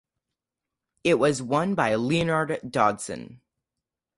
It was won by Leonard Dodson.